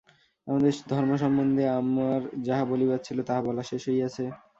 আমাদের ধর্ম সম্বন্ধে আমার যাহা বলিবার ছিল, তাহা বলা শেষ হইয়াছে।